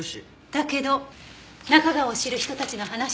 だけど中川を知る人たちの話では。